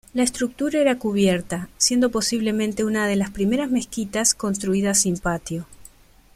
La estructura era cubierta, siendo posiblemente una de las primeras mezquitas construidas sin patio.